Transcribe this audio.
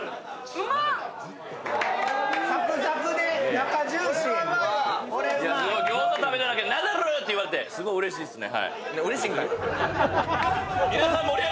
明治おいしい牛乳餃子食べながら、ナダル」って言われてすごいうれしいですね。